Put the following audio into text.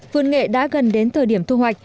vườn nghệ đã gần đến thời điểm thu hoạch